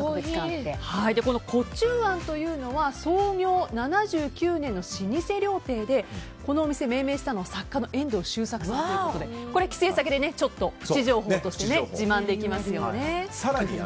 壺中庵というのは創業７９年の老舗料亭でこのお店を命名したのは作家の遠藤周作さんということで帰省先でちょっとプチ情報として自慢できますよね。